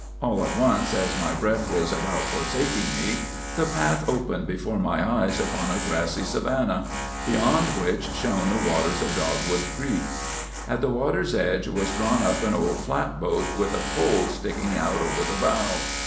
All at once, as my breath was about forsaking me, the path opened before my eyes upon a grassy savanna, beyond which shone the waters of Dogwood Creek. At the water's edge was drawn up an old flat boat, with a pole sticking out over the bow.